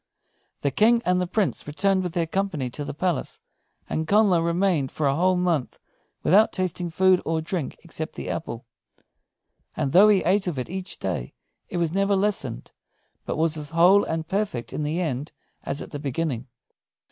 The King and the Prince returned with their company to the palace; and Connla remained for a whole month without tasting food or drink except the apple. And though he ate of it each day, it was never lessened, but was as whole and perfect in the end as at the beginning.